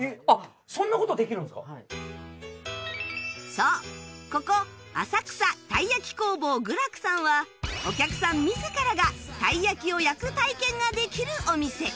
そうここ浅草たい焼き工房求楽さんはお客さん自らがたい焼きを焼く体験ができるお店